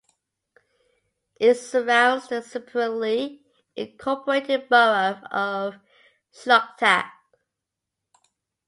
It surrounds the separately incorporated borough of Shelocta.